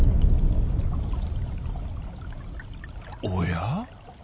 おや？